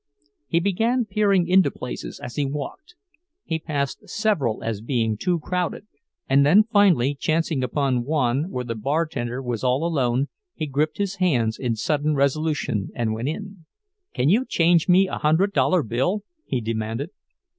He began peering into places as he walked; he passed several as being too crowded—then finally, chancing upon one where the bartender was all alone, he gripped his hands in sudden resolution and went in. "Can you change me a hundred dollar bill?" he demanded.